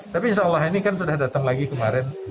tapi insya allah ini kan sudah datang lagi kemarin